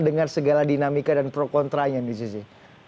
dengan segala dinamika dan pro kontra nya nih zizi